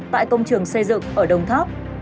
tại công trường xây dựng ở đồng tháp